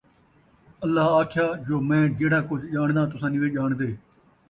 اللہ آکھیا، جو مَیں جِہڑا کُجھ ڄاݨداں تُساں نِہوے ڄاݨدے ۔